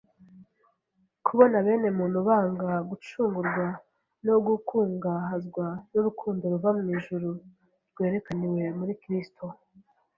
kubona bene muntu banga gucungurwa no gukungahazwa n'urukundo ruva mu ijuru rwerekaniwe muri Kristo.